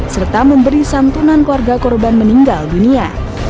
serta memberi santunan keluarga korban meninggal dunia